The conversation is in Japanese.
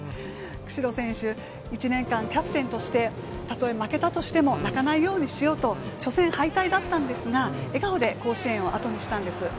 久城選手、１年間キャプテンとしてたとえ負けたとしても泣かないようにしようと初戦敗退だったんですが笑顔で甲子園を後にしたんです。